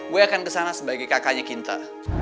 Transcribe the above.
gue akan kesana sebagai kakaknya cinta